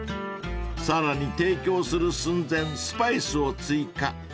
［さらに提供する寸前スパイスを追加］